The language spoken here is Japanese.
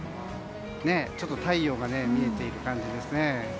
太陽が見えている感じですね。